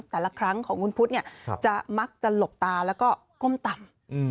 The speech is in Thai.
แต่ละครั้งของคุณพุทธเนี่ยจะมักจะหลบตาแล้วก็ก้มต่ำ